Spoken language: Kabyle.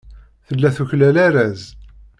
Tella tuklal arraz.